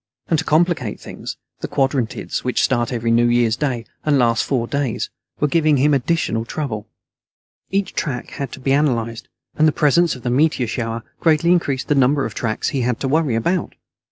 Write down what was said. And to complicate things, the Quadrantids, which start every New Year's Day and last four days, were giving him additional trouble. Each track had to be analyzed, and the presence of the meteor shower greatly increased the number of tracks he had to worry about.